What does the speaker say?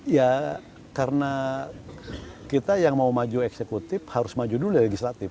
ya karena kita yang mau maju eksekutif harus maju dulu legislatif